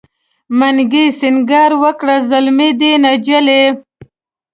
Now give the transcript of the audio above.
منګي سینګار وکړ زلمی دی نجلۍ